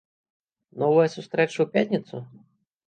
Новая сустрэча ў пятніцу?